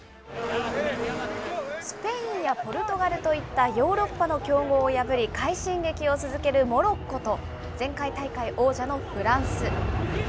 スペインやポルトガルといったヨーロッパの強豪を破り、快進撃を続けるモロッコと、前回大会王者のフランス。